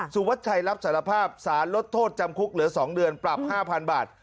วัชชัยรับสารภาพสารลดโทษจำคุกเหลือ๒เดือนปรับ๕๐๐บาท